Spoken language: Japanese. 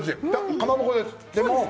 かまぼこです。